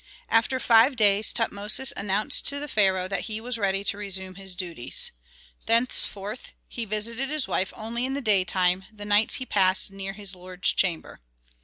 After five days Tutmosis announced to the pharaoh that he was ready to resume his duties. Thenceforth he visited his wife only in the daytime, the nights he passed near his lord's chamber.